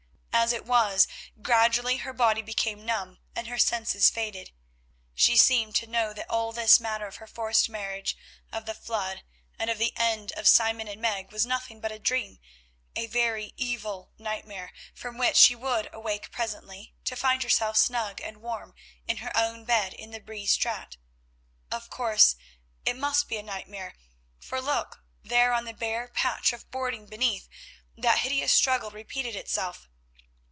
As it was gradually her body became numb and her senses faded. She seemed to know that all this matter of her forced marriage, of the flood, and of the end of Simon and Meg, was nothing but a dream, a very evil nightmare from which she would awake presently to find herself snug and warm in her own bed in the Bree Straat. Of course it must be a nightmare, for look, there, on the bare patch of boarding beneath, the hideous struggle repeated itself.